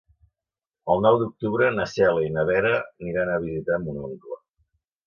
El nou d'octubre na Cèlia i na Vera aniran a visitar mon oncle.